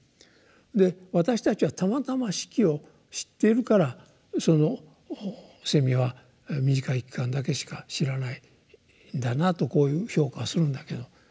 で私たちはたまたま四季を知っているからそのセミは短い期間だけしか知らないんだなとこういう評価をするんだけど。